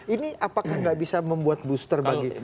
ini apakah nggak bisa membuat booster bagi